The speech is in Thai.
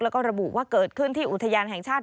แล้วก็ระบุว่าเกิดขึ้นที่อุทยานแห่งชาติ